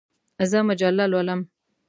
زه مجله لولم.